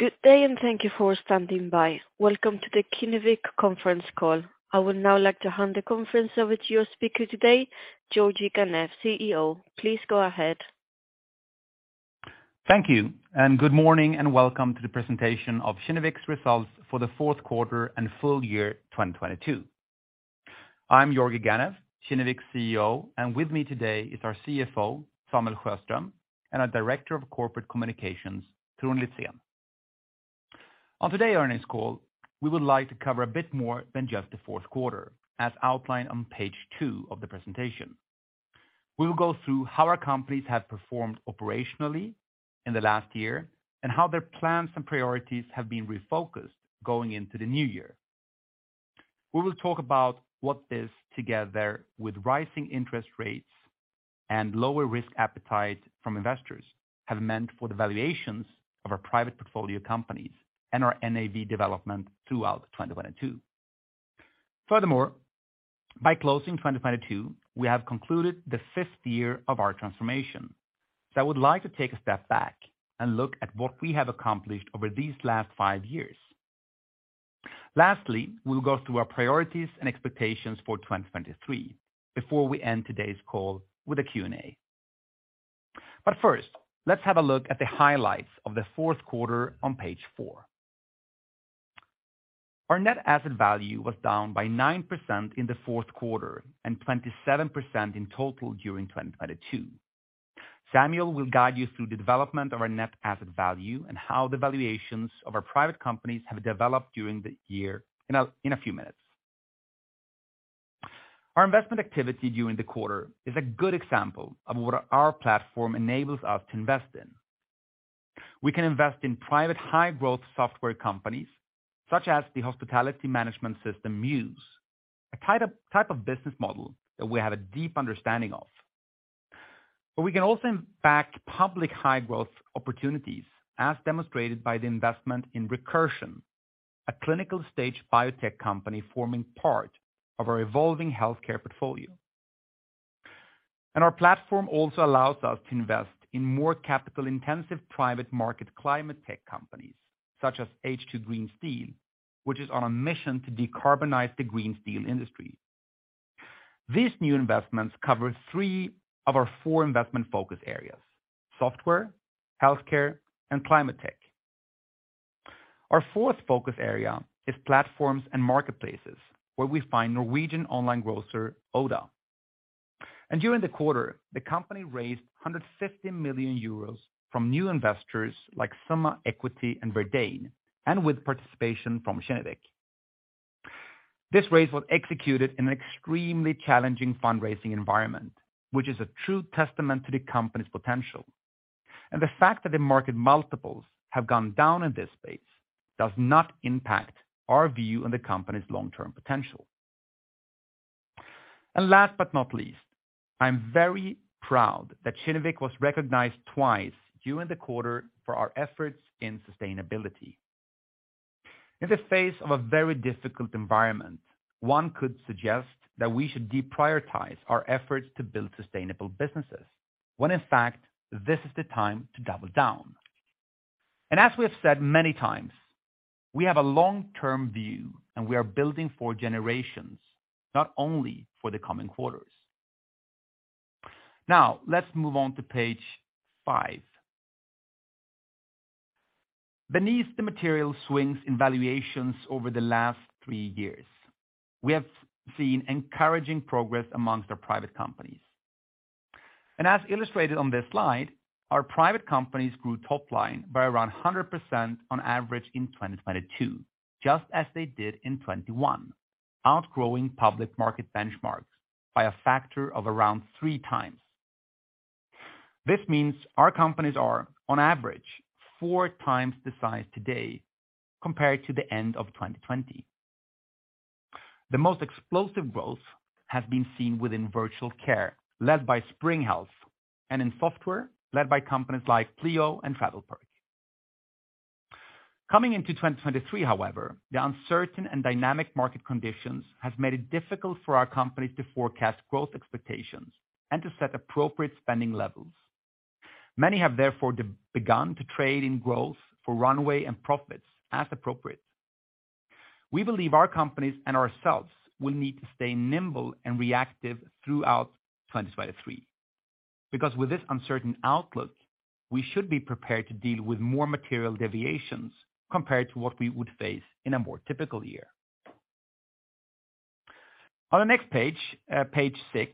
Good day and thank you for standing by. Welcome to the Kinnevik conference call. I would now like to hand the conference over to your speaker today, Georgi Ganev, CEO. Please go ahead. Thank you. Good morning and welcome to the presentation of Kinnevik's results for the fourth quarter and full year 2022. I'm Georgi Ganev, Kinnevik's CEO, and with me today is our CFO, Samuel Sjöström, and our Director of Corporate Communications, Torun Litzén. On today earnings call, we would like to cover a bit more than just the fourth quarter as outlined on page two of the presentation. We will go through how our companies have performed operationally in the last year and how their plans and priorities have been refocused going into the new year. We will talk about what this, together with rising interest rates and lower risk appetite from investors have meant for the valuations of our private portfolio companies and our NAV development throughout 2022. By closing 2022, we have concluded the fifth year of our transformation. I would like to take a step back and look at what we have accomplished over these last five years. Lastly, we'll go through our priorities and expectations for 2023 before we end today's call with a Q&A. First, let's have a look at the highlights of the fourth quarter on page four. Our net asset value was down by 9% in the fourth quarter and 27% in total during 2022. Samuel will guide you through the development of our net asset value and how the valuations of our private companies have developed during the year in a few minutes. Our investment activity during the quarter is a good example of what our platform enables us to invest in. We can invest in private high-growth software companies such as the hospitality management system, Mews, a type of business model that we have a deep understanding of. We can also impact public high-growth opportunities as demonstrated by the investment in Recursion, a clinical-stage biotech company forming part of our evolving healthcare portfolio. Our platform also allows us to invest in more capital-intensive private market climate tech companies such as H2 Green Steel, which is on a mission to decarbonize the green steel industry. These new investments cover three of our four investment focus areas: software, healthcare, and climate tech. Our fourth focus area is platforms and marketplaces, where we find Norwegian online grocer Oda. During the quarter, the company raised 150 million euros from new investors like Summa Equity and Verdane, with participation from Kinnevik. This raise was executed in an extremely challenging fundraising environment, which is a true testament to the company's potential. The fact that the market multiples have gone down in this space does not impact our view on the company's long-term potential. Last but not least, I'm very proud that Kinnevik was recognized twice during the quarter for our efforts in sustainability. In the face of a very difficult environment, one could suggest that we should deprioritize our efforts to build sustainable businesses, when in fact, this is the time to double down. As we have said many times, we have a long-term view, and we are building for generations, not only for the coming quarters. Now let's move on to page five. Beneath the material swings in valuations over the last three years, we have seen encouraging progress amongst our private companies. As illustrated on this slide, our private companies grew top line by around 100% on average in 2022, just as they did in 2021, outgrowing public market benchmarks by a factor of around 3x. This means our companies are on average 4x the size today compared to the end of 2020. The most explosive growth has been seen within virtual care led by Spring Health and in software led by companies like Pleo and TravelPerk. Coming into 2023, however, the uncertain and dynamic market conditions has made it difficult for our company to forecast growth expectations and to set appropriate spending levels. Many have therefore begun to trade in growth for runway and profits as appropriate. We believe our companies and ourselves will need to stay nimble and reactive throughout 2023. With this uncertain outlook, we should be prepared to deal with more material deviations compared to what we would face in a more typical year. On the next page six,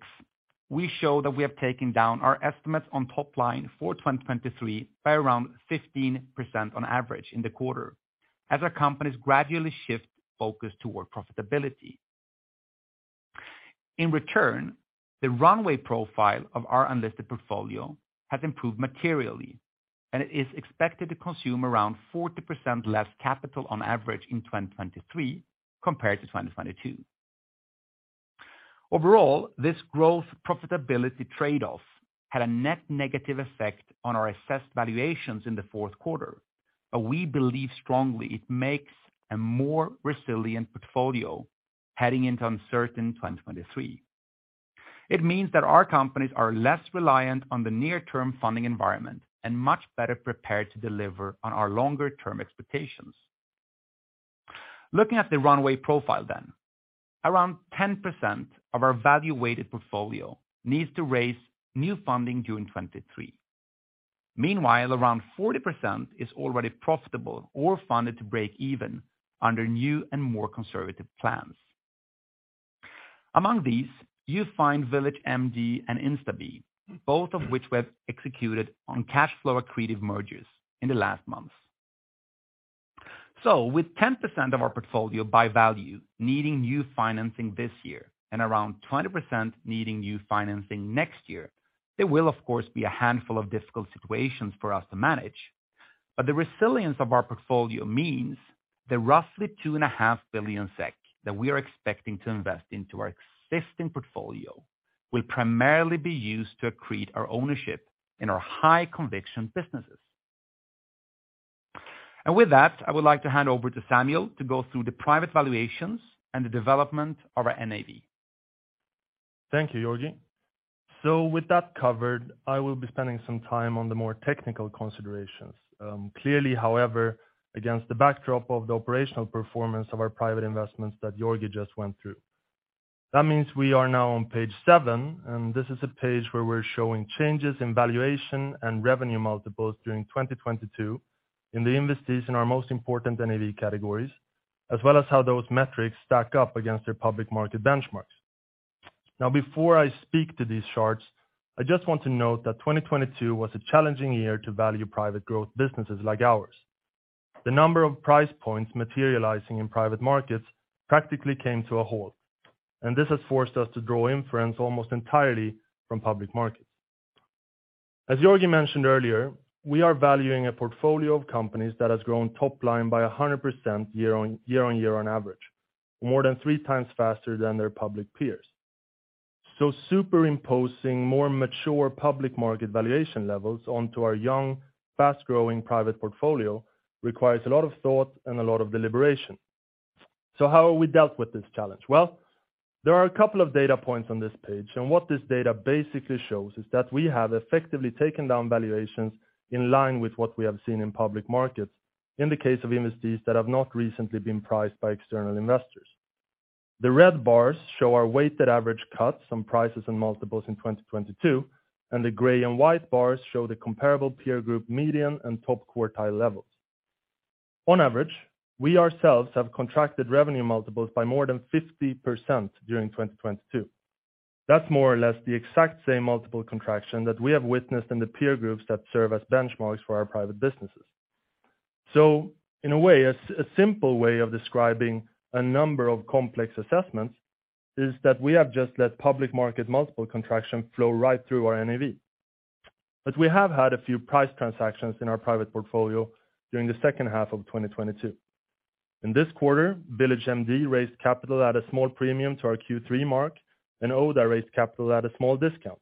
we show that we have taken down our estimates on top line for 2023 by around 15% on average in the quarter as our companies gradually shift focus toward profitability. In return, the runway profile of our unlisted portfolio has improved materially, and it is expected to consume around 40% less capital on average in 2023 compared to 2022. Overall, this growth profitability trade-off had a net negative effect on our assessed valuations in the fourth quarter. We believe strongly it makes a more resilient portfolio heading into uncertain 2023. It means that our companies are less reliant on the near term funding environment and much better prepared to deliver on our longer term expectations. Looking at the runway profile, around 10% of our value-weighted portfolio needs to raise new funding during 2023. Meanwhile, around 40% is already profitable or funded to break even under new and more conservative plans. Among these, you find VillageMD and Instabee, both of which we have executed on cash flow accretive mergers in the last months. With 10% of our portfolio by value needing new financing this year and around 20% needing new financing next year, there will of course, be a handful of difficult situations for us to manage. The resilience of our portfolio means that roughly 2.5 billion SEK that we are expecting to invest into our existing portfolio will primarily be used to accrete our ownership in our high conviction businesses. With that, I would like to hand over to Samuel to go through the private valuations and the development of our NAV. Thank you, Georgi. With that covered, I will be spending some time on the more technical considerations. Clearly, however, against the backdrop of the operational performance of our private investments that Georgi just went through. That means we are now on page seven, this is a page where we're showing changes in valuation and revenue multiples during 2022 in the investees in our most important NAV categories, as well as how those metrics stack up against their public market benchmarks. Before I speak to these charts, I just want to note that 2022 was a challenging year to value private growth businesses like ours. The number of price points materializing in private markets practically came to a halt, and this has forced us to draw inference almost entirely from public markets. As Georgi mentioned earlier, we are valuing a portfolio of companies that has grown top line by 100% year on year on average, more than 3x faster than their public peers. Superimposing more mature public market valuation levels onto our young, fast-growing private portfolio requires a lot of thought and a lot of deliberation. How have we dealt with this challenge? Well, there are a couple of data points on this page, and what this data basically shows is that we have effectively taken down valuations in line with what we have seen in public markets in the case of investees that have not recently been priced by external investors. The red bars show our weighted average cuts on prices and multiples in 2022, and the gray and white bars show the comparable peer group median and top quartile levels. On average, we ourselves have contracted revenue multiples by more than 50% during 2022. That's more or less the exact same multiple contraction that we have witnessed in the peer groups that serve as benchmarks for our private businesses. In a way, a simple way of describing a number of complex assessments is that we have just let public market multiple contraction flow right through our NAV. We have had a few price transactions in our private portfolio during the second half of 2022. In this quarter, VillageMD raised capital at a small premium to our Q3 mark, and Oda raised capital at a small discount.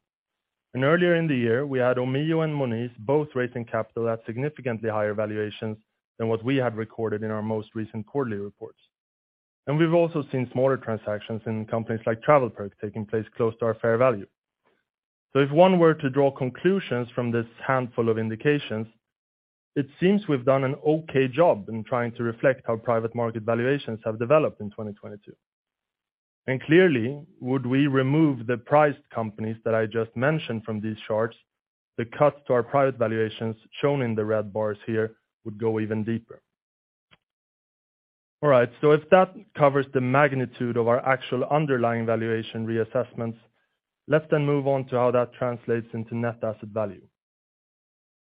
Earlier in the year, we had Omio and Monese both raising capital at significantly higher valuations than what we had recorded in our most recent quarterly reports. We've also seen smaller transactions in companies like TravelPerk taking place close to our fair value. If one were to draw conclusions from this handful of indications, it seems we've done an okay job in trying to reflect how private market valuations have developed in 2022. Clearly, would we remove the priced companies that I just mentioned from these charts, the cuts to our private valuations shown in the red bars here would go even deeper. All right. If that covers the magnitude of our actual underlying valuation reassessments, let's then move on to how that translates into net asset value.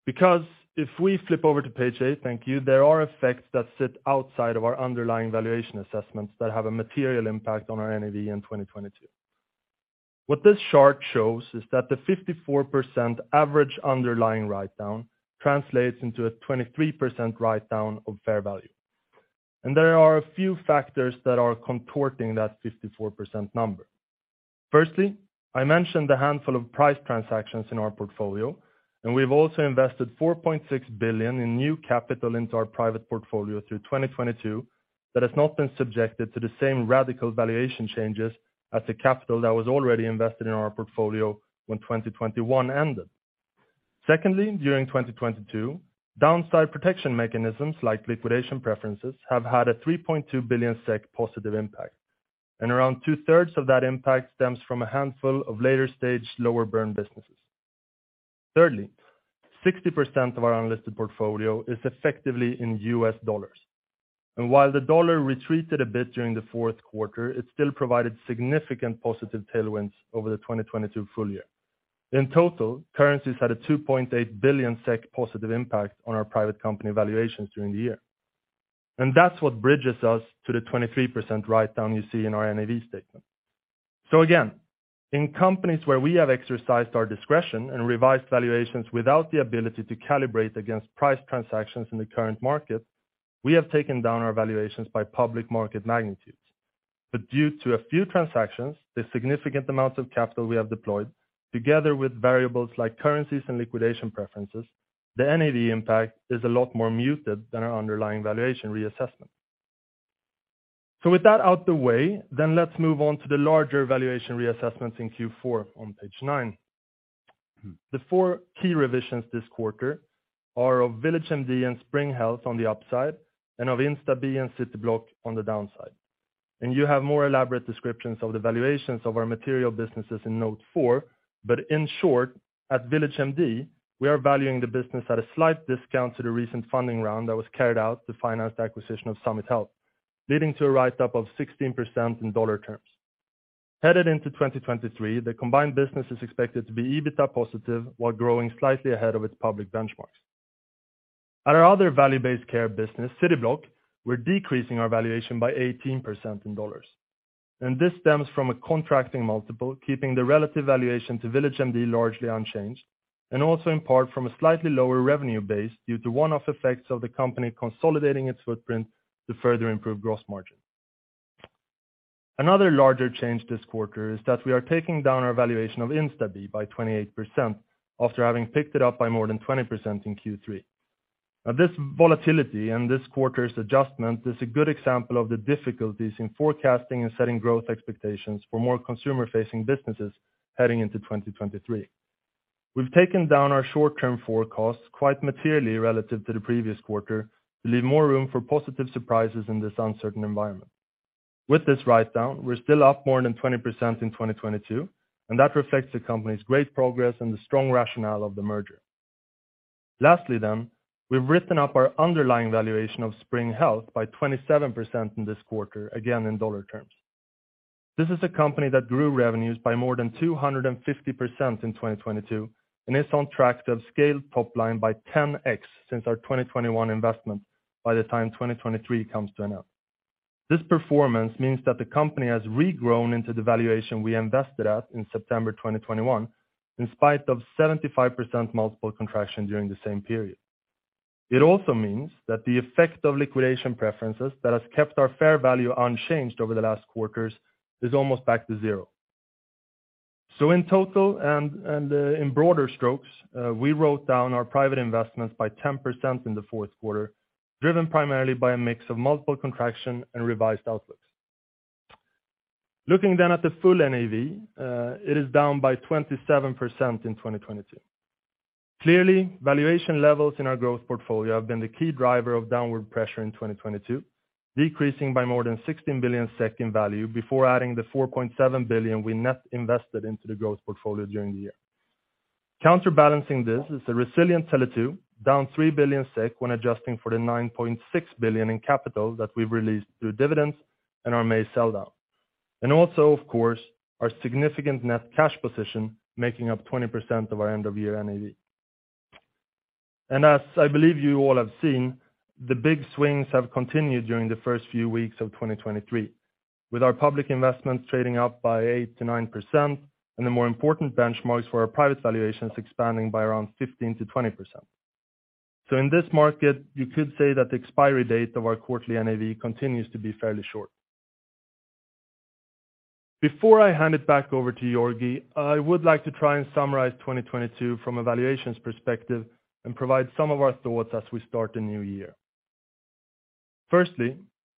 If we flip over to page eight, thank you, there are effects that sit outside of our underlying valuation assessments that have a material impact on our NAV in 2022. What this chart shows is that the 54% average underlying write-down translates into a 23% write-down of fair value. There are a few factors that are contorting that 54% number. Firstly, I mentioned the handful of price transactions in our portfolio, and we've also invested 4.6 billion SEK in new capital into our private portfolio through 2022 that has not been subjected to the same radical valuation changes as the capital that was already invested in our portfolio when 2021 ended. Secondly, during 2022, downside protection mechanisms like liquidation preferences have had a 3.2 billion SEK positive impact, and around two-thirds of that impact stems from a handful of later-stage, lower-burn businesses. Thirdly, 60% of our unlisted portfolio is effectively in U.S. dollars. While the dollar retreated a bit during the fourth quarter, it still provided significant positive tailwinds over the 2022 full year. In total, currencies had a 2.8 billion SEK positive impact on our private company valuations during the year. That's what bridges us to the 23% write-down you see in our NAV statement. Again, in companies where we have exercised our discretion and revised valuations without the ability to calibrate against price transactions in the current market, we have taken down our valuations by public market magnitudes. Due to a few transactions, the significant amounts of capital we have deployed, together with variables like currencies and liquidation preferences, the NAV impact is a lot more muted than our underlying valuation reassessment. With that out the way, then let's move on to the larger valuation reassessments in Q4 on page nine. The four key revisions this quarter are of VillageMD and Spring Health on the upside, and of Instabee and Cityblock on the downside. You have more elaborate descriptions of the valuations of our material businesses in note four. In short, at VillageMD, we are valuing the business at a slight discount to the recent funding round that was carried out to finance the acquisition of Summit Health, leading to a write-up of 16% in dollar terms. Headed into 2023, the combined business is expected to be EBITDA positive while growing slightly ahead of its public benchmarks. At our other value-based care business, Cityblock, we're decreasing our valuation by 18% in dollars. This stems from a contracting multiple, keeping the relative valuation to VillageMD largely unchanged, and also in part from a slightly lower revenue base due to one-off effects of the company consolidating its footprint to further improve gross margin. Another larger change this quarter is that we are taking down our valuation of Instabee by 28% after having picked it up by more than 20% in Q3. This volatility and this quarter's adjustment is a good example of the difficulties in forecasting and setting growth expectations for more consumer-facing businesses heading into 2023. We've taken down our short-term forecasts quite materially relative to the previous quarter to leave more room for positive surprises in this uncertain environment. With this write-down, we're still up more than 20% in 2022. That reflects the company's great progress and the strong rationale of the merger. Lastly, we've written up our underlying valuation of Spring Health by 27% in this quarter, again, in dollar terms. This is a company that grew revenues by more than 250% in 2022 and is on track to have scaled top line by 10x since our 2021 investment by the time 2023 comes to an end. This performance means that the company has regrown into the valuation we invested at in September 2021, in spite of 75% multiple contraction during the same period. It also means that the effect of liquidation preferences that has kept our fair value unchanged over the last quarters is almost back to zero. In total, in broader strokes, we wrote down our private investments by 10% in the fourth quarter, driven primarily by a mix of multiple contraction and revised outlooks. Looking then at the full NAV, it is down by 27% in 2022. Clearly, valuation levels in our growth portfolio have been the key driver of downward pressure in 2022, decreasing by more than 16 billion SEK in value before adding the 4.7 billion we net invested into the growth portfolio during the year. Counterbalancing this is a resilient Tele2, down 3 billion SEK when adjusting for the 9.6 billion in capital that we've released through dividends and our May sell-down. Also, of course, our significant net cash position making up 20% of our end of year NAV. As I believe you all have seen, the big swings have continued during the first few weeks of 2023, with our public investments trading up by 8%-9%, and the more important benchmarks for our private valuations expanding by around 15%-20%. In this market, you could say that the expiry date of our quarterly NAV continues to be fairly short. Before I hand it back over to Georgi, I would like to try and summarize 2022 from a valuations perspective and provide some of our thoughts as we start the new year. Firstly,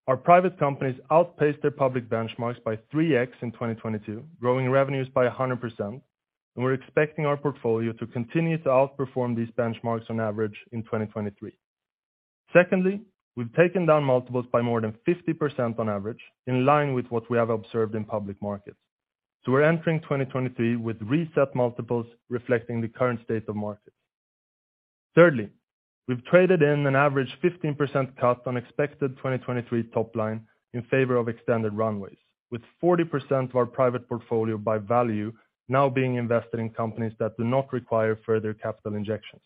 our private companies outpaced their public benchmarks by 3x in 2022, growing revenues by 100%, and we're expecting our portfolio to continue to outperform these benchmarks on average in 2023. Secondly, we've taken down multiples by more than 50% on average, in line with what we have observed in public markets. We're entering 2023 with reset multiples reflecting the current state of markets. Thirdly, we've traded in an average 15% cut on expected 2023 top line in favor of extended runways, with 40% of our private portfolio by value now being invested in companies that do not require further capital injections.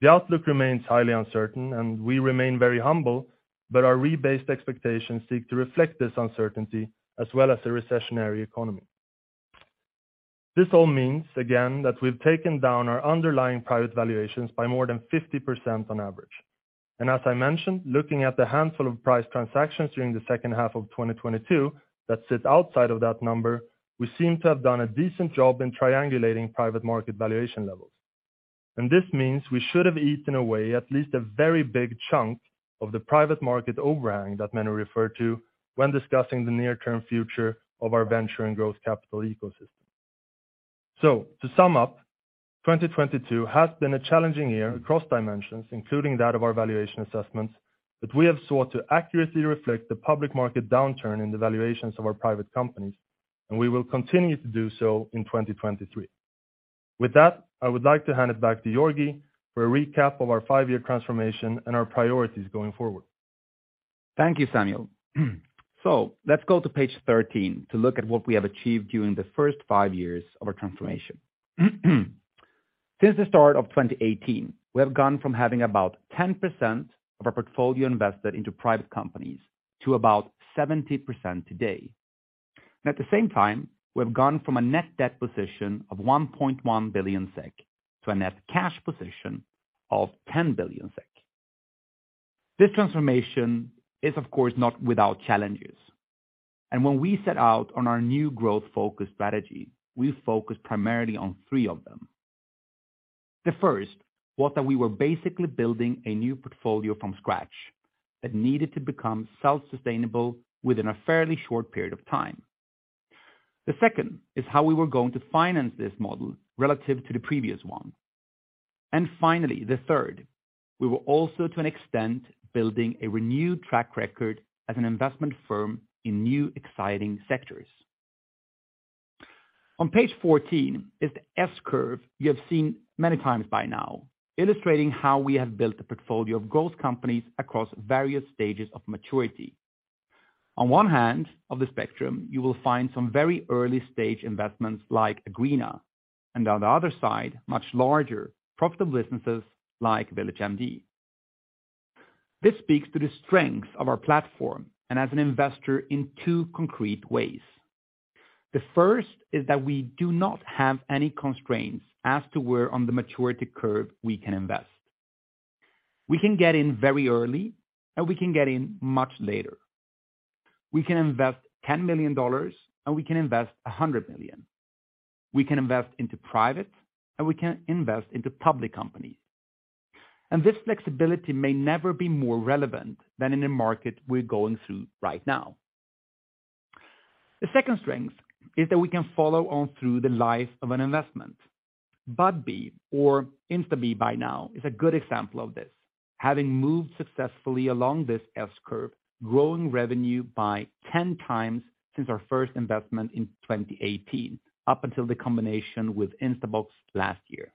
The outlook remains highly uncertain, and we remain very humble, but our rebased expectations seek to reflect this uncertainty as well as the recessionary economy. This all means, again, that we've taken down our underlying private valuations by more than 50% on average. As I mentioned, looking at the handful of price transactions during the second half of 2022 that sit outside of that number, we seem to have done a decent job in triangulating private market valuation levels. This means we should have eaten away at least a very big chunk of the private market overhang that many refer to when discussing the near-term future of our venture and growth capital ecosystem. To sum up, 2022 has been a challenging year across dimensions, including that of our valuation assessments, but we have sought to accurately reflect the public market downturn in the valuations of our private companies, and we will continue to do so in 2023. With that, I would like to hand it back to Georgi for a recap of our five-year transformation and our priorities going forward. Thank you, Samuel. Let's go to page 13 to look at what we have achieved during the first five years of our transformation. Since the start of 2018, we have gone from having about 10% of our portfolio invested into private companies to about 70% today. At the same time, we have gone from a net debt position of 1.1 billion SEK to a net cash position of 10 billion SEK. This transformation is, of course, not without challenges. When we set out on our new growth-focused strategy, we focused primarily on three of them. The first was that we were basically building a new portfolio from scratch that needed to become self-sustainable within a fairly short period of time. The second is how we were going to finance this model relative to the previous one. Finally, the third, we were also to an extent building a renewed track record as an investment firm in new exciting sectors. On page 14 is the S-curve you have seen many times by now, illustrating how we have built a portfolio of growth companies across various stages of maturity. On one hand of the spectrum, you will find some very early stage investments like Agreena, and on the other side, much larger profitable businesses like VillageMD. This speaks to the strength of our platform and as an investor in two concrete ways. The first is that we do not have any constraints as to where on the maturity curve we can invest. We can get in very early, and we can get in much later. We can invest $10 million, and we can invest $100 million. We can invest into private, we can invest into public companies. This flexibility may never be more relevant than in a market we're going through right now. The second strength is that we can follow on through the life of an investment. Budbee or Instabee by now is a good example of this, having moved successfully along this S-curve, growing revenue by 10x since our first investment in 2018, up until the combination with Instabox last year.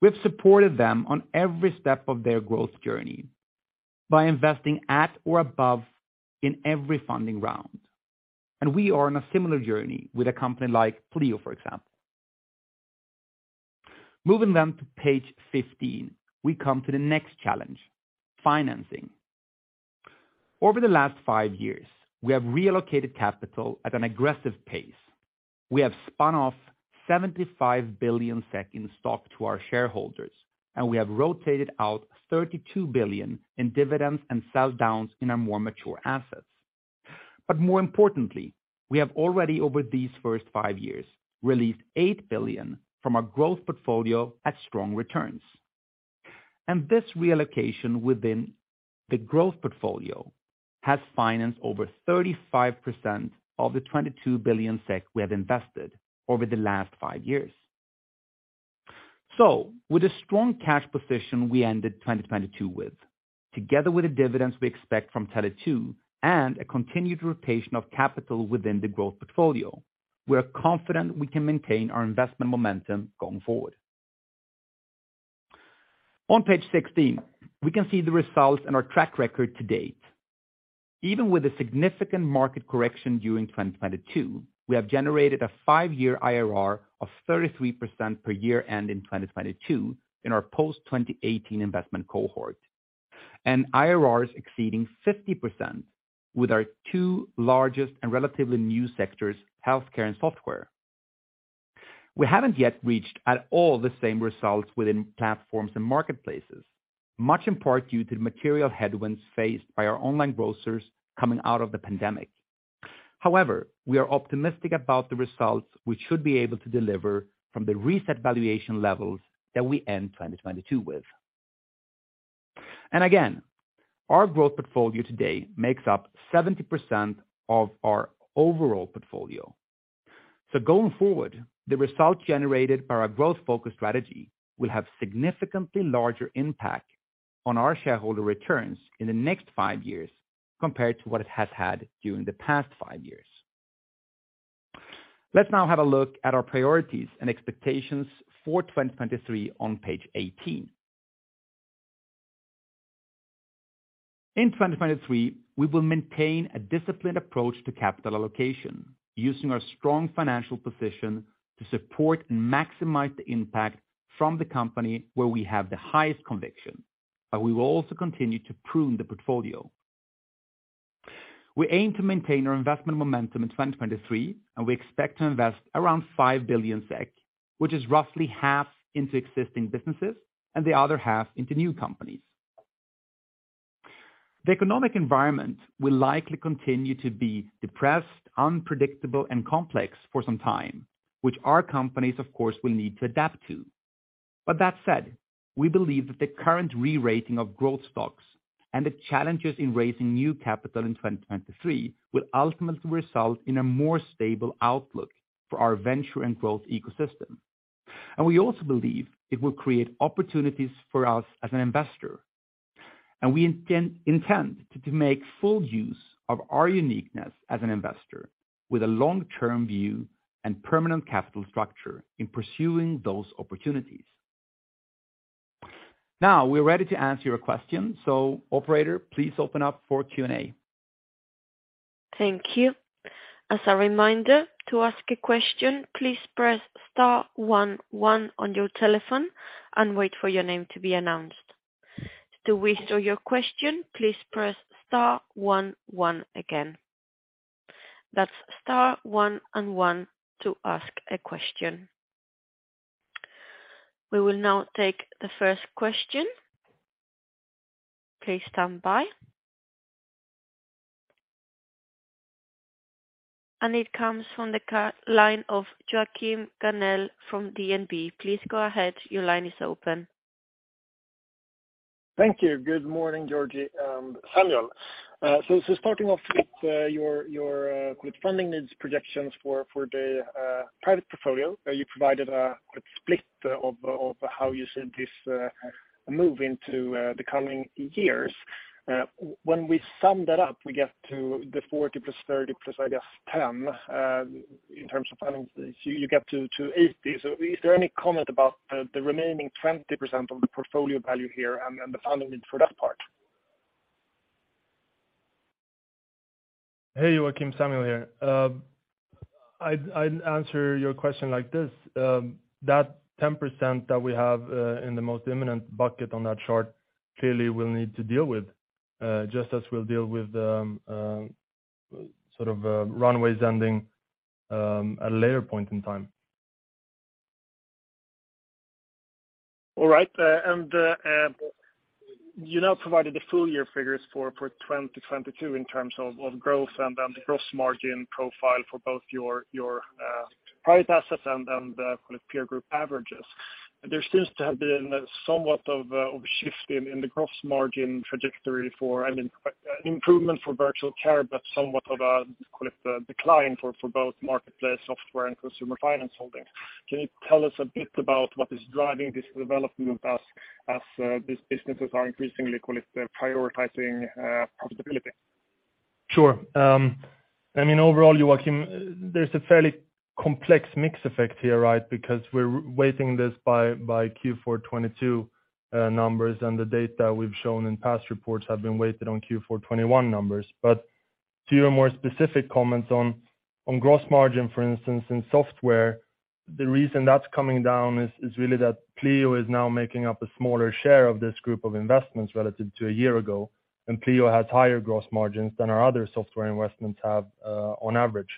We have supported them on every step of their growth journey by investing at or above in every funding round. We are on a similar journey with a company like Pleo, for example. Moving then to page 15, we come to the next challenge, financing. Over the last five years, we have reallocated capital at an aggressive pace. We have spun off 75 billion SEK in stock to our shareholders, and we have rotated out 32 billion SEK in dividends and sell downs in our more mature assets. More importantly, we have already over these first five years released 8 billion SEK from our growth portfolio at strong returns. This reallocation within the growth portfolio has financed over 35% of the 22 billion SEK we have invested over the last five years. With a strong cash position we ended 2022 with, together with the dividends we expect from Tele2 and a continued rotation of capital within the growth portfolio, we are confident we can maintain our investment momentum going forward. On page 16, we can see the results and our track record to date. Even with a significant market correction during 2022, we have generated a five-year IRR of 33% per year end in 2022 in our post 2018 investment cohort, and IRRs exceeding 50% with our two largest and relatively new sectors, healthcare and software. We haven't yet reached at all the same results within platforms and marketplaces, much in part due to the material headwinds faced by our online grocers coming out of the pandemic. We are optimistic about the results we should be able to deliver from the reset valuation levels that we end 2022 with. Again, our growth portfolio today makes up 70% of our overall portfolio. Going forward, the results generated by our growth-focused strategy will have significantly larger impact on our shareholder returns in the next five years compared to what it has had during the past five years. Let's now have a look at our priorities and expectations for 2023 on page 18. In 2023, we will maintain a disciplined approach to capital allocation using our strong financial position to support and maximize the impact from the company where we have the highest conviction, but we will also continue to prune the portfolio. We aim to maintain our investment momentum in 2023, and we expect to invest around 5 billion SEK, which is roughly half into existing businesses and the other half into new companies. The economic environment will likely continue to be depressed, unpredictable, and complex for some time, which our companies, of course, will need to adapt to. That said, we believe that the current re-rating of growth stocks and the challenges in raising new capital in 2023 will ultimately result in a more stable outlook for our venture and growth ecosystem. We also believe it will create opportunities for us as an investor. We intend to make full use of our uniqueness as an investor with a long-term view and permanent capital structure in pursuing those opportunities. Now, we're ready to answer your question. Operator, please open up for Q&A. Thank you. As a reminder, to ask a question, please press star one one on your telephone and wait for your name to be announced. To withdraw your question, please press star one one again. That's star one and one to ask a question. We will now take the first question. Please stand by. It comes from the line of Joakim Gjermundsen from DNB. Please go ahead. Your line is open. Thank you. Good morning, Georgie and Samuel. Starting off with your quick funding needs projections for the private portfolio. You provided a quick split of how you see this move into the coming years. When we sum that up, we get to the 40+30, plus, I guess 10, in terms of funding. You get to 80. Is there any comment about the remaining 20% of the portfolio value here and the funding need for that part? Hey, Joakim. Samuel here. I'd answer your question like this. That 10% that we have in the most imminent bucket on that chart clearly we'll need to deal with, just as we'll deal with the sort of runways ending at a later point in time. All right. And you now provided the full year figures for 2022 in terms of growth and the gross margin profile for both your price assets and the kind of peer group averages. There seems to have been somewhat of a shift in the gross margin trajectory for an improvement for virtual care. Somewhat of a, call it, decline for both marketplace software and consumer finance holdings. Can you tell us a bit about what is driving this development as these businesses are increasingly, call it, prioritizing profitability? Sure. I mean, overall, Joakim, there's a fairly complex mix effect here, right? Because we're weighting this by Q4 2022 numbers, and the data we've shown in past reports have been weighted on Q4 2021 numbers. To your more specific comments on gross margin, for instance, in software, the reason that's coming down is really that Pleo is now making up a smaller share of this group of investments relative to a year ago, and Pleo has higher gross margins than our other software investments have on average.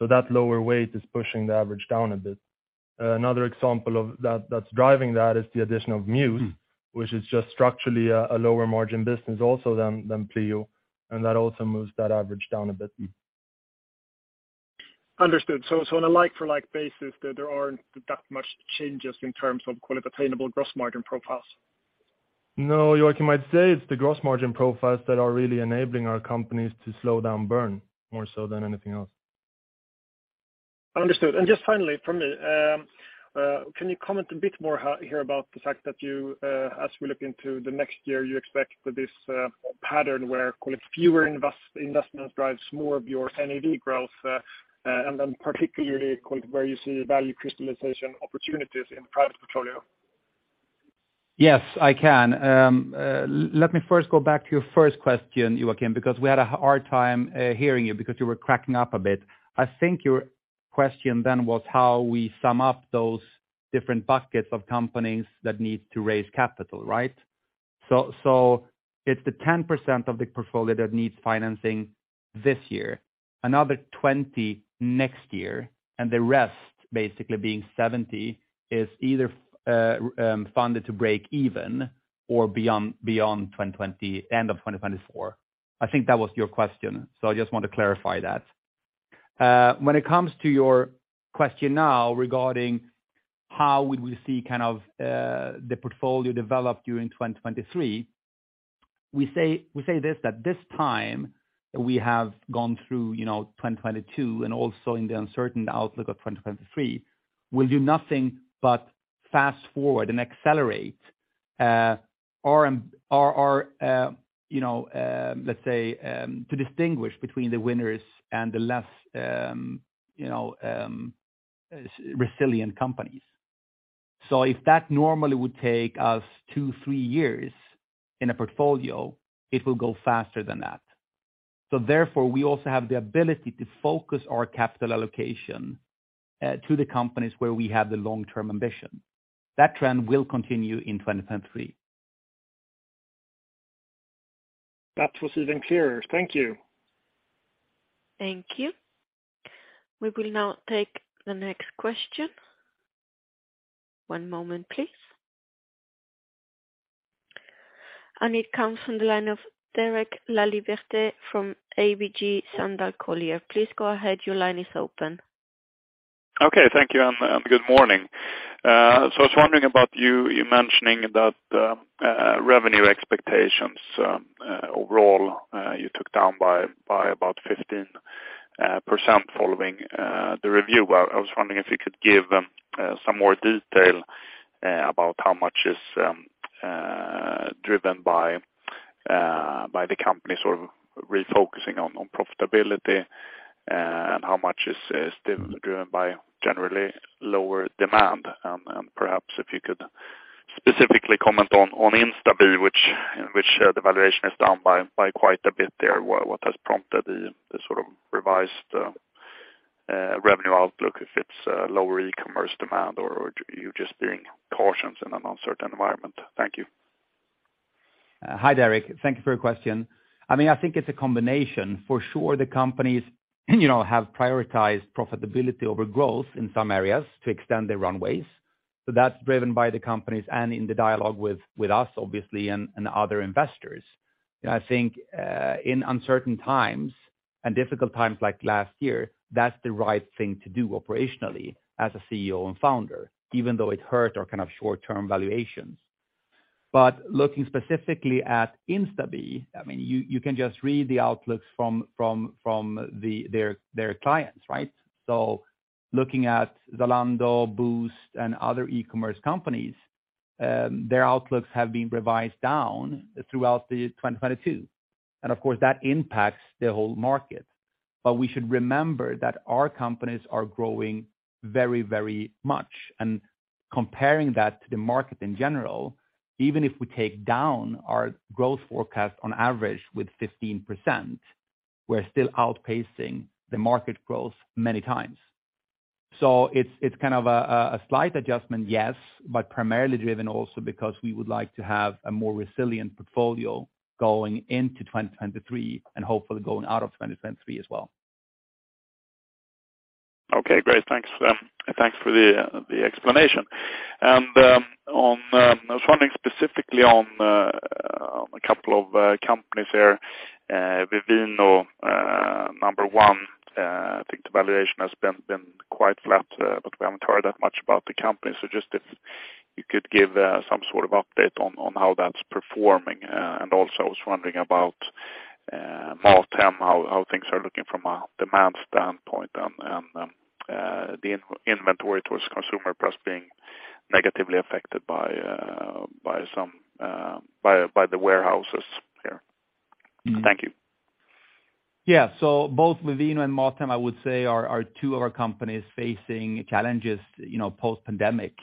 That lower weight is pushing the average down a bit. Another example of that's driving that is the addition of Mews, which is just structurally a lower margin business also than Pleo, and that also moves that average down a bit. Understood. On a like-for-like basis, there aren't that much changes in terms of, call it, attainable gross margin profiles. No, Joakim. I'd say it's the gross margin profiles that are really enabling our companies to slow down burn more so than anything else. Understood. Just finally from me, can you comment a bit more here about the fact that you, as we look into the next year, you expect this pattern where, call it, fewer investments drives more of your NAV growth, and then particularly where you see value crystallization opportunities in the private portfolio? Yes, I can. Let me first go back to your first question, Joakim, because we had a hard time hearing you because you were cracking up a bit. I think your question then was how we sum up those different buckets of companies that need to raise capital, right? It's the 10% of the portfolio that needs financing this year, another 20% next year, and the rest basically being 70% is either funded to break even or beyond end of 2024. I think that was your question, so I just want to clarify that. When it comes to your question now regarding how would we see kind of, the portfolio develop during 2023, we say this, that this time we have gone through, you know, 2022 and also in the uncertain outlook of 2023 will do nothing but fast forward and accelerate, our, you know, let's say, to distinguish between the winners and the less, you know, resilient companies. If that normally would take us two to three years in a portfolio, it will go faster than that. Therefore, we also have the ability to focus our capital allocation, to the companies where we have the long-term ambition. That trend will continue in 2023. That was even clearer. Thank you. Thank you. We will now take the next question. One moment please. It comes from the line of Derek Laliberte from ABG Sundal Collier. Please go ahead. Your line is open. Okay, thank you, and good morning. I was wondering about you mentioning that revenue expectations overall you took down by about 15% following the review. I was wondering if you could give some more detail about how much is driven by the company sort of refocusing on profitability and how much is driven by generally lower demand. Perhaps if you could specifically comment on Instabee which the valuation is down by quite a bit there. What has prompted the sort of revised revenue outlook, if it's lower e-commerce demand or you're just being cautious in an uncertain environment? Thank you. Hi, Derek. Thank you for your question. I think it's a combination. For sure, the companies, you know, have prioritized profitability over growth in some areas to extend their runways. That's driven by the companies and in the dialogue with us obviously and other investors. I think, in uncertain times and difficult times like last year, that's the right thing to do operationally as a CEO and founder, even though it hurt our kind of short-term valuations. Looking specifically at Instabee, you can just read the outlooks from their clients. Looking at Zalando, Boozt, and other e-commerce companies, their outlooks have been revised down throughout 2022, and of course, that impacts the whole market. We should remember that our companies are growing very, very much. Comparing that to the market in general, even if we take down our growth forecast on average with 15%, we're still outpacing the market growth many times. It's, it's kind of a slight adjustment, yes, but primarily driven also because we would like to have a more resilient portfolio going into 2023 and hopefully going out of 2023 as well. Okay, great. Thanks. Thanks for the explanation. On, I was wondering specifically on a couple of companies there. Vivino, number one, I think the valuation has been quite flat, but we haven't heard that much about the company. Just if you could give some sort of update on how that's performing. Also I was wondering about Mathem, how things are looking from a demand standpoint and, the in-inventory towards consumer plus being negatively affected by the warehouses here. Thank you. Yeah. Both Vivino and Mathem, I would say are two of our companies facing challenges, you know, post-pandemic.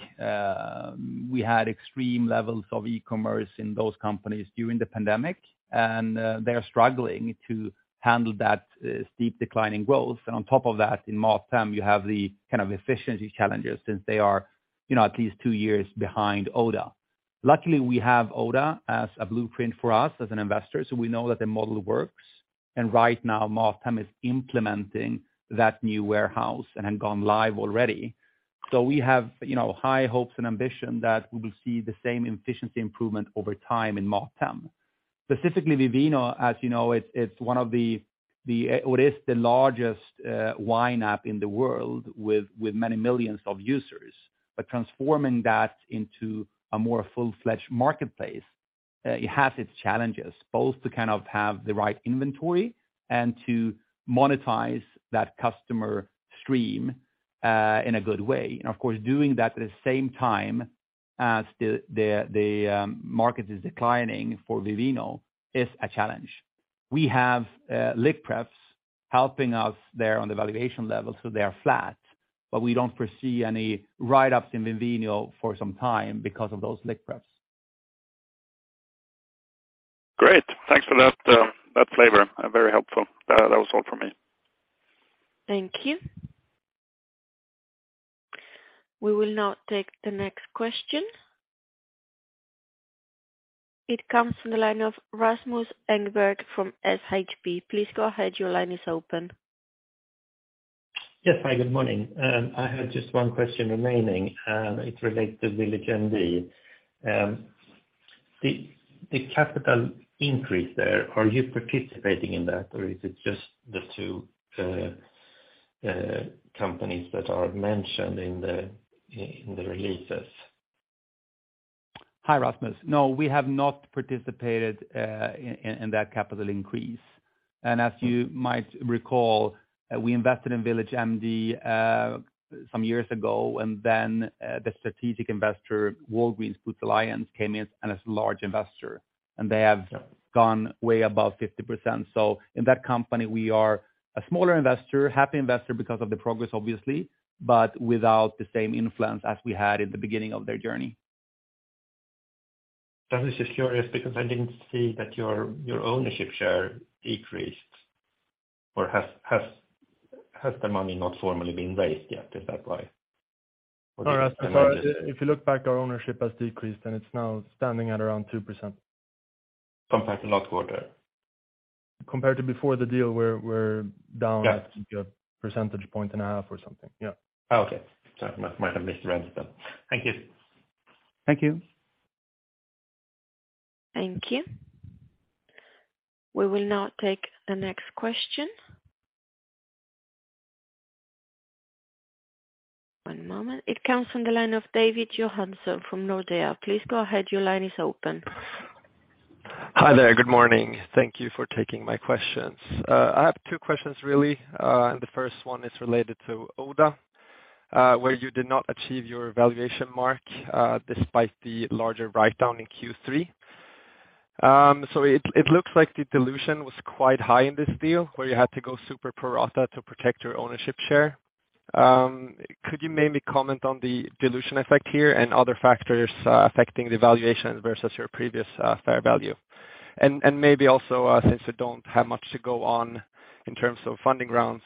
We had extreme levels of e-commerce in those companies during the pandemic, and they are struggling to handle that steep decline in growth. On top of that, in Mathem, you have the kind of efficiency challenges since they are, you know, at least two years behind Oda. Luckily, we have Oda as a blueprint for us as an investor, so we know that the model works. Right now, Mathem is implementing that new warehouse and have gone live already. We have, you know, high hopes and ambition that we will see the same efficiency improvement over time in Mathem. Specifically, Vivino, as you know, it's one of the or is the largest wine app in the world with many millions of users. Transforming that into a more full-fledged marketplace, it has its challenges, both to kind of have the right inventory and to monetize that customer stream in a good way. Of course, doing that at the same time as the market is declining for Vivino is a challenge. We have liquidation preferences helping us there on the valuation level, so they are flat, but we don't foresee any write-ups in Vivino for some time because of those liquidation preferences. Great. Thanks for that flavor. Very helpful. That was all for me. Thank you. We will now take the next question. It comes from the line of Rasmus Engberg from Handelsbanken. Please go ahead. Your line is open. Yes. Hi, good morning. I had just one question remaining, and it relates to VillageMD. The capital increase there, are you participating in that, or is it just the two companies that are mentioned in the releases? Hi, Rasmus. No, we have not participated, in that capital increase. As you might recall, we invested in VillageMD, some years ago, then, the strategic investor, Walgreens Boots Alliance, came in and as a large investor, and they have gone way above 50%. In that company, we are a smaller investor, happy investor because of the progress, obviously, but without the same influence as we had in the beginning of their journey. I was just curious because I didn't see that your ownership share decreased. Has the money not formally been raised yet? Is that why? No, Rasmus. If you look back, our ownership has decreased, and it's now standing at around 2%. Compared to last quarter. Compared to before the deal, we're down. Yeah. like a percentage point and a half or something. Yeah. Oh, okay. Might have misread them. Thank you. Thank you. We will now take the next question. One moment. It comes from the line of David Johansson from Nordea. Please go ahead. Your line is open. Hi there. Good morning. Thank you for taking my questions. I have two questions, really. The first one is related to Oda, where you did not achieve your valuation mark, despite the larger write down in Q3. It looks like the dilution was quite high in this deal where you had to go super pro rata to protect your ownership share. Could you maybe comment on the dilution effect here and other factors affecting the valuation versus your previous fair value? Maybe also, since you don't have much to go on in terms of funding rounds,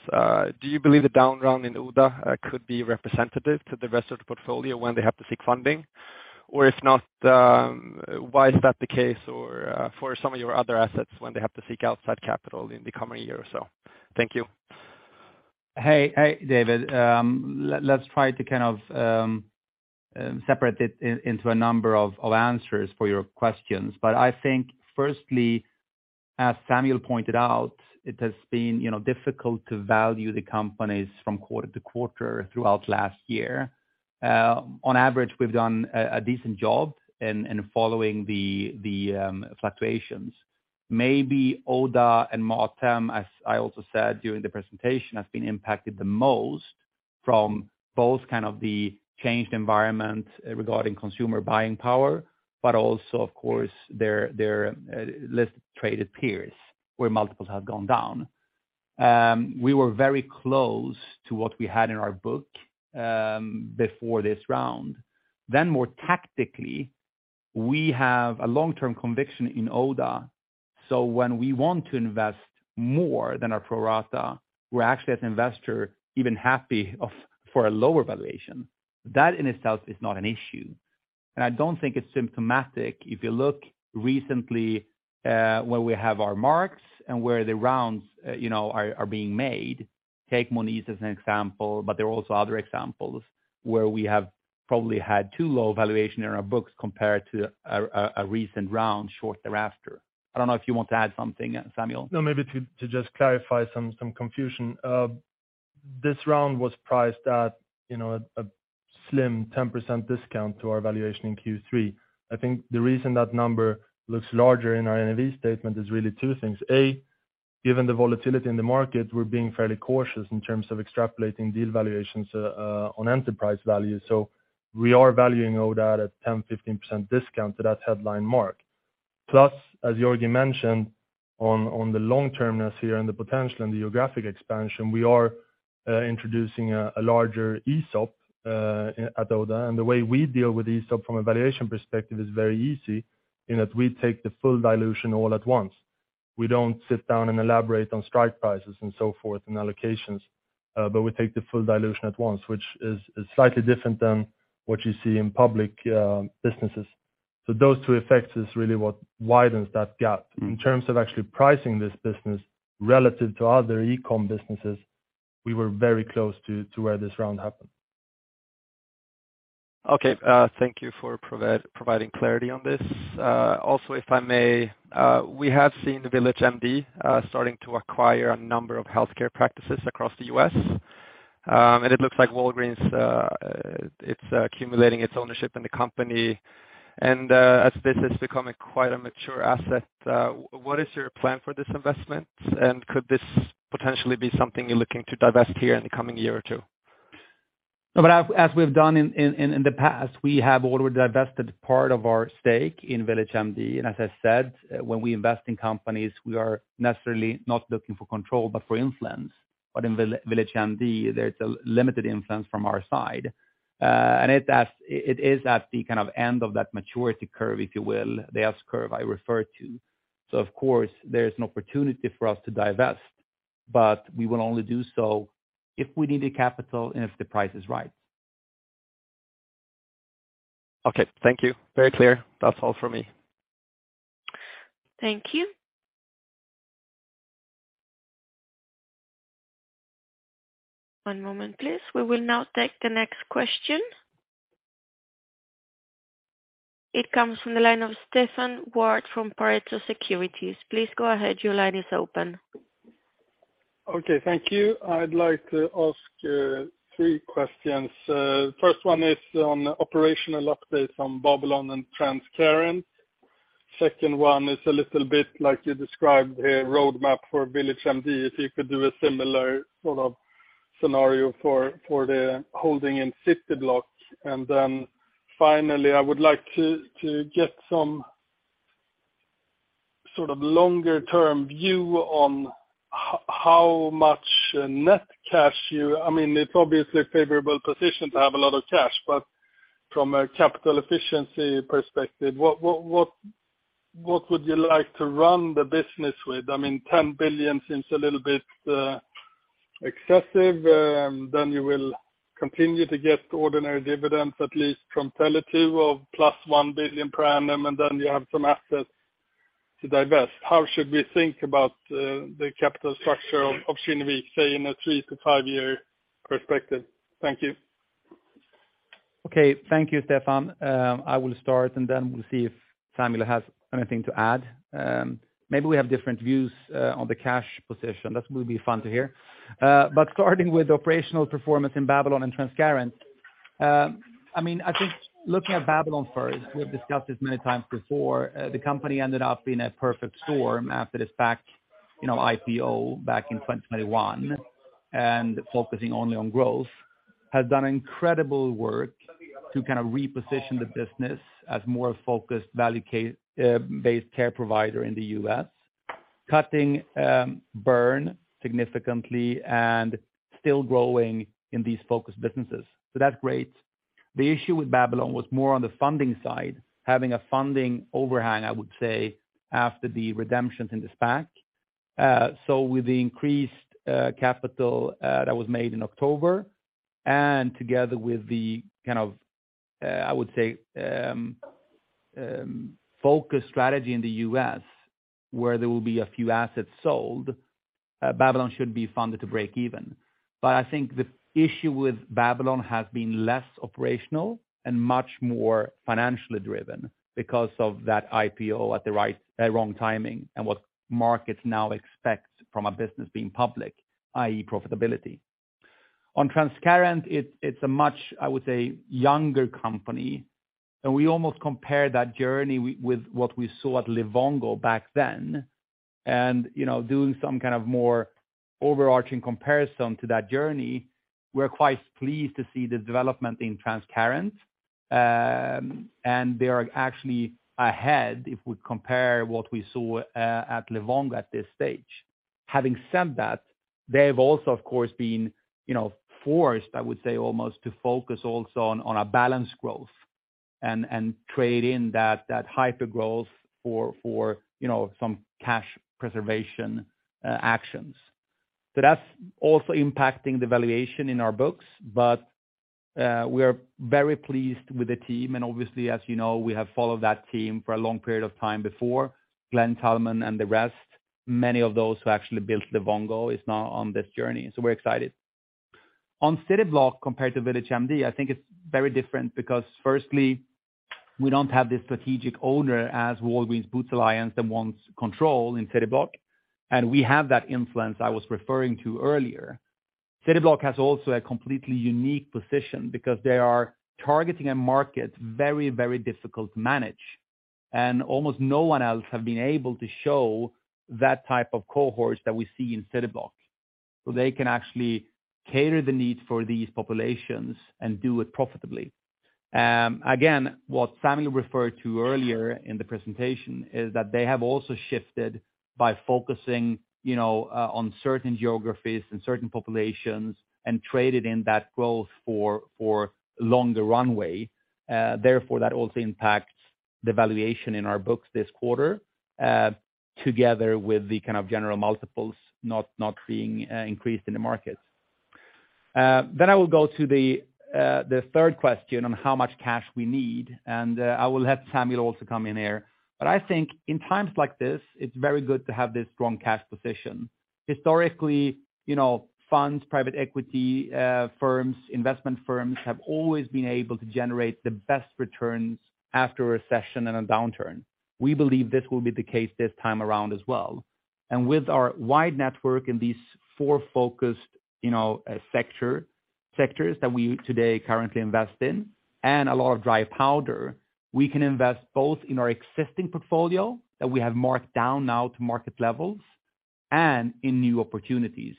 do you believe the down round in Oda could be representative to the rest of the portfolio when they have to seek funding? If not, why is that the case or, for some of your other assets when they have to seek outside capital in the coming year or so? Thank you. Hey, hey, David. Let's try to kind of separate it into a number of answers for your questions. I think firstly, as Samuel pointed out, it has been, you know, difficult to value the companies from quarter to quarter throughout last year. On average, we've done a decent job in following the fluctuations. Maybe Oda and Mathem, as I also said during the presentation, have been impacted the most from both kind of the changed environment regarding consumer buying power, but also, of course, their listed traded peers, where multiples have gone down. We were very close to what we had in our book before this round. More tactically, we have a long-term conviction in Oda. When we want to invest more than our pro rata, we're actually as an investor, even happy of. for a lower valuation. That in itself is not an issue, and I don't think it's symptomatic. If you look recently, where we have our marks and where the rounds, you know, are being made, take Monese as an example, but there are also other examples where we have probably had too low valuation in our books compared to a recent round short thereafter. I don't know if you want to add something, Samuel. Maybe to just clarify some confusion. This round was priced at, you know, a slim 10% discount to our valuation in Q3. I think the reason that number looks larger in our NAV statement is really two things. Given the volatility in the market, we're being fairly cautious in terms of extrapolating deal valuations on enterprise value. We are valuing Oda at 10%-15% discount to that headline mark. Plus, as Georgi mentioned, on the long-termness here and the potential in the geographic expansion, we are introducing a larger ESOP at Oda. The way we deal with ESOP from a valuation perspective is very easy in that we take the full dilution all at once. We don't sit down and elaborate on strike prices and so forth and allocations, but we take the full dilution at once, which is slightly different than what you see in public businesses. Those two effects is really what widens that gap. In terms of actually pricing this business relative to other e-com businesses, we were very close to where this round happened. Okay. Thank you for providing clarity on this. Also, if I may, we have seen VillageMD starting to acquire a number of healthcare practices across the US. It looks like Walgreens it's accumulating its ownership in the company. As this is becoming quite a mature asset, what is your plan for this investment? Could this potentially be something you're looking to divest here in the coming year or two? No, but as we've done in the past, we have already divested part of our stake in VillageMD. As I said, when we invest in companies, we are necessarily not looking for control, but for influence. In VillageMD, there's a limited influence from our side. It is at the kind of end of that maturity curve, if you will, the S-curve I refer to. Of course, there is an opportunity for us to divest, but we will only do so if we need the capital and if the price is right. Okay. Thank you. Very clear. That's all for me. Thank you. One moment, please. We will now take the next question. It comes from the line of Stefan Wård from Pareto Securities. Please go ahead. Your line is open. Okay. Thank you. I'd like to ask three questions. First one is on operational updates on Babylon and Transcarent. Second one is a little bit like you described the roadmap for VillageMD, if you could do a similar sort of scenario for the holding in Cityblock. Finally, I would like to get some sort of longer-term view on how much net cash you, I mean, it's obviously a favorable position to have a lot of cash, but from a capital efficiency perspective, what would you like to run the business with? I mean, 10 billion seems a little bit excessive. You will continue to get ordinary dividends, at least from Tele2 of + 1 billion per annum, you have some assets to divest. How should we think about the capital structure of Kinnevik, say, in a three to five year perspective? Thank you. Okay. Thank you, Stefan. I will start, and then we'll see if Samuel has anything to add. Maybe we have different views on the cash position. That will be fun to hear. Starting with operational performance in Babylon and Transcarent, I mean, I think looking at Babylon first, we've discussed this many times before. The company ended up in a perfect storm after the SPAC, you know, IPO back in 2021, focusing only on growth, has done incredible work to kind of reposition the business as more focused value-based care provider in the U.S., cutting burn significantly and still growing in these focused businesses. That's great. The issue with Babylon was more on the funding side, having a funding overhang, I would say, after the redemptions in the SPAC. With the increased capital that was made in October and together with the kind of, I would say, focus strategy in the U.S. where there will be a few assets sold, Babylon Health should be funded to break even. I think the issue with Babylon Health has been less operational and much more financially driven because of that IPO at the wrong timing and what markets now expect from a business being public, i.e., profitability. On Transcarent, it's a much, I would say, younger company, and we almost compare that journey with what we saw at Livongo back then. You know, doing some kind of more overarching comparison to that journey, we're quite pleased to see the development in Transcarent. They are actually ahead if we compare what we saw at Livongo at this stage. Having said that, they've also, of course, been, you know, forced, I would say almost, to focus also on a balanced growth and trade in that hypergrowth for, you know, some cash preservation actions. That's also impacting the valuation in our books. We are very pleased with the team and obviously, as you know, we have followed that team for a long period of time before, Glen Tullman and the rest. Many of those who actually built Livongo is now on this journey. We're excited. On CityBlock compared to VillageMD, I think it's very different because firstly, we don't have the strategic owner as Walgreens Boots Alliance that wants control in CityBlock, and we have that influence I was referring to earlier. Cityblock has also a completely unique position because they are targeting a market very, very difficult to manage, almost no one else have been able to show that type of cohorts that we see in Cityblock. They can actually cater the needs for these populations and do it profitably. Again, what Samuel referred to earlier in the presentation is that they have also shifted by focusing, you know, on certain geographies and certain populations and traded in that growth for longer runway. Therefore, that also impacts the valuation in our books this quarter, together with the kind of general multiples not being increased in the market. I will go to the third question on how much cash we need, and I will have Samuel also come in here. I think in times like this, it's very good to have this strong cash position. Historically, you know, funds, private equity firms, investment firms have always been able to generate the best returns after a recession and a downturn. We believe this will be the case this time around as well. With our wide network in these four focused, you know, sectors that we today currently invest in and a lot of dry powder, we can invest both in our existing portfolio that we have marked down now to market levels and in new opportunities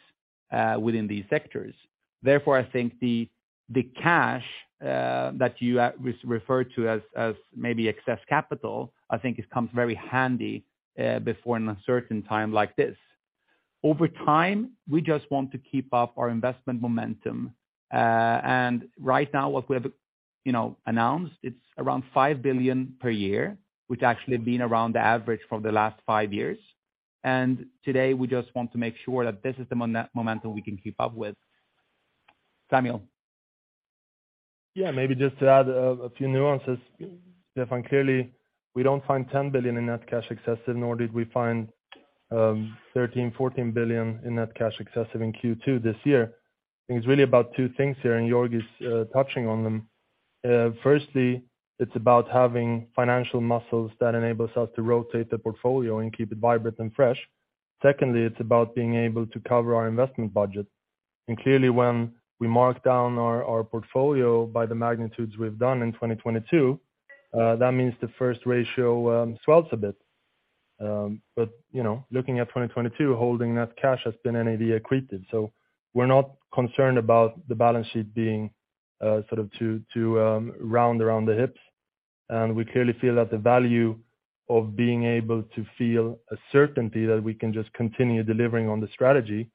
within these sectors. I think the cash that you refer to as maybe excess capital, I think it comes very handy before an uncertain time like this. Over time, we just want to keep up our investment momentum. Right now what we have, you know, announced, it's around 5 billion per year, which actually been around the average for the last five years. Today, we just want to make sure that this is the momentum we can keep up with. Samuel. Yeah, maybe just to add a few nuances, Stefan. Clearly, we don't find 10 billion in net cash excessive, nor did we find 13 billion-14 billion in net cash excessive in Q2 this year. I think it's really about two things here, Georgi is touching on them. Firstly, it's about having financial muscles that enables us to rotate the portfolio and keep it vibrant and fresh. Secondly, it's about being able to cover our investment budget. Clearly, when we mark down our portfolio by the magnitudes we've done in 2022, that means the first ratio swells a bit. But, you know, looking at 2022, holding net cash has been NAV accretive. We're not concerned about the balance sheet being sort of too round around the hips. We clearly feel that the value of being able to feel a certainty that we can just continue delivering on the strategy,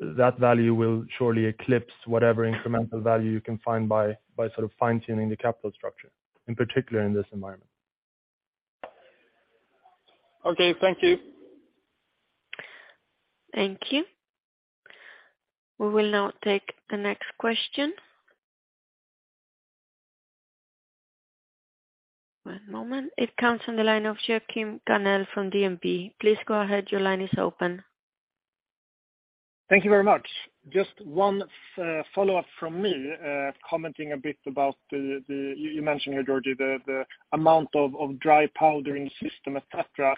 that value will surely eclipse whatever incremental value you can find by sort of fine-tuning the capital structure, in particular in this environment. Okay, thank you. Thank you. We will now take the next question. One moment. It comes from the line of Joakim Karnell from DNB. Please go ahead. Your line is open. Thank you very much. Just one follow-up from me, commenting a bit about the... You mentioned here, Georgi, the amount of dry powder in system, et cetera.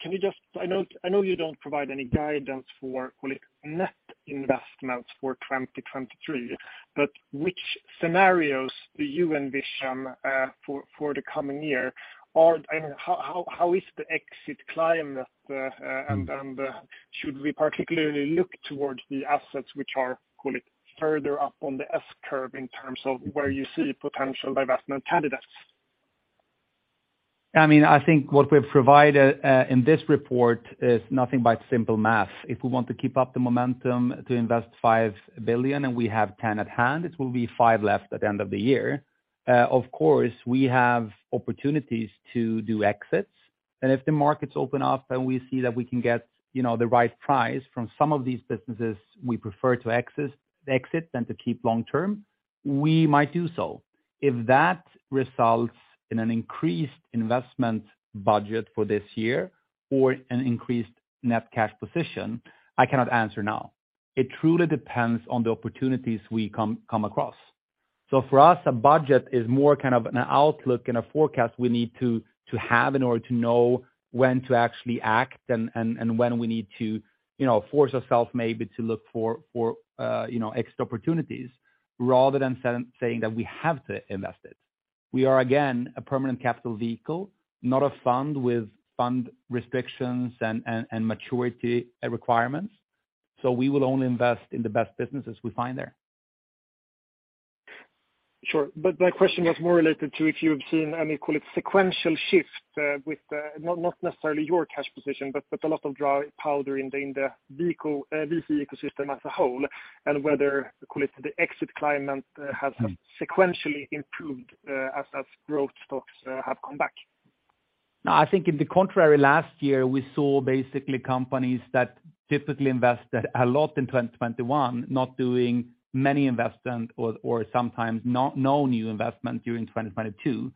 Can you just, I know you don't provide any guidance for, call it, net investments for 2023, but which scenarios do you envision for the coming year? I mean, how is the exit climate, and should we particularly look towards the assets which are, call it, further up on the S-curve in terms of where you see potential divestment candidates? I mean, I think what we've provided in this report is nothing but simple math. If we want to keep up the momentum to invest 5 billion and we have 10 at hand, it will be 5 left at the end of the year. Of course, we have opportunities to do exits. If the markets open up and we see that we can get, you know, the right price from some of these businesses we prefer to exit than to keep long term, we might do so. If that results in an increased investment budget for this year or an increased net cash position, I cannot answer now. It truly depends on the opportunities we come across. For us, a budget is more kind of an outlook and a forecast we need to have in order to know when to actually act and when we need to, you know, force ourselves maybe to look for, you know, extra opportunities rather than saying that we have to invest it. We are again a permanent capital vehicle, not a fund with fund restrictions and maturity requirements. We will only invest in the best businesses we find there. Sure. My question was more related to if you have seen any, call it sequential shift, with not necessarily your cash position, but a lot of dry powder in the vehicle, VC ecosystem as a whole, and whether, call it the exit climate, has sequentially improved, as growth stocks, have come back. No, I think in the contrary, last year, we saw basically companies that typically invested a lot in 2021, not doing many investment or sometimes no new investment during 2022.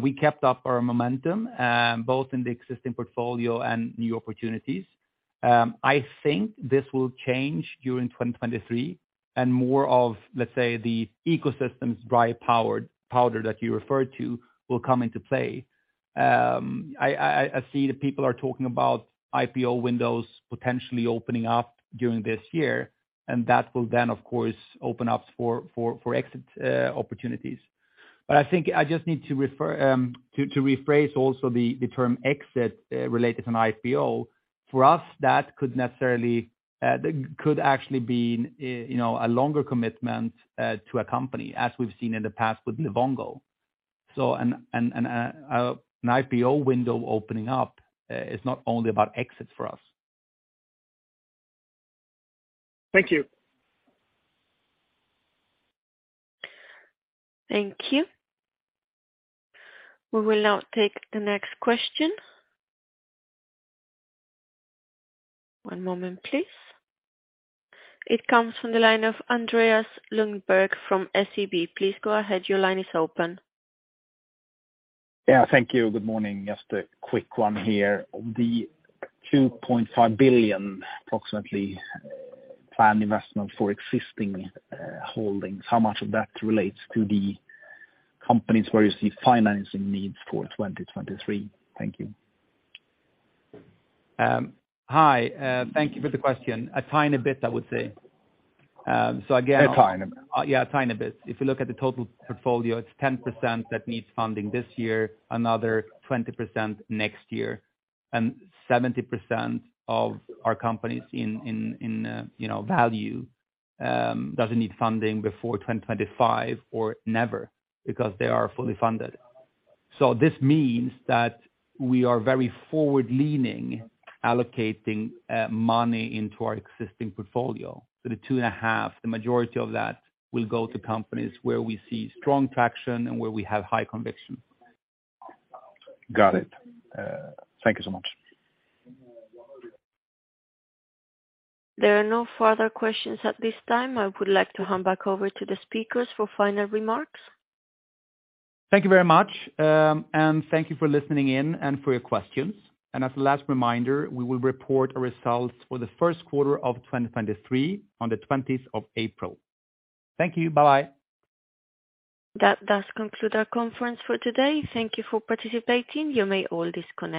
We kept up our momentum, both in the existing portfolio and new opportunities. I think this will change during 2023 and more of, let's say, the ecosystems dry powder that you referred to will come into play. I see that people are talking about IPO windows potentially opening up during this year, and that will then of course open up for exit opportunities. I think I just need to refer, to rephrase also the term exit, related to an IPO. For us, that could necessarily, could actually be, you know, a longer commitment, to a company as we've seen in the past with Livongo. An IPO window opening up, is not only about exits for us. Thank you. Thank you. We will now take the next question. One moment, please. It comes from the line of Andreas Lundberg from SEB. Please go ahead. Your line is open. Yeah, thank you. Good morning. Just a quick one here. The 2.5 billion approximately planned investment for existing holdings, how much of that relates to the companies where you see financing needs for 2023? Thank you. Hi. Thank you for the question. A tiny bit, I would say. A tiny bit? Yeah, a tiny bit. If you look at the total portfolio, it's 10% that needs funding this year, another 20% next year, and 70% of our companies in, you know, value, doesn't need funding before 2025 or never because they are fully funded. This means that we are very forward-leaning allocating money into our existing portfolio. The 2.5, the majority of that will go to companies where we see strong traction and where we have high conviction. Got it. Thank you so much. There are no further questions at this time. I would like to hand back over to the speakers for final remarks. Thank you very much, and thank you for listening in and for your questions. As a last reminder, we will report our results for the first quarter of 2023 on the 20th of April. Thank you. Bye. That does conclude our conference for today. Thank Thank you for participating. You may all disconnect.